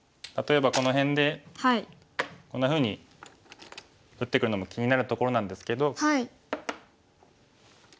例えばこの辺でこんなふうに打ってくるのも気になるところなんですけど。